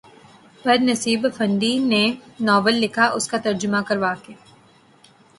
پر Nasib Afandi نے novel لکھا، اس کا ترجمہ کروا کے